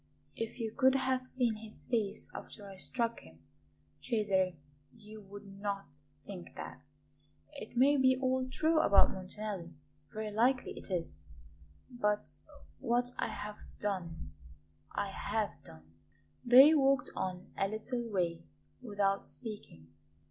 "If you could have seen his face after I struck him, Cesare, you would not think that. It may be all true about Montanelli very likely it is but what I have done I have done." They walked on a little way without speaking.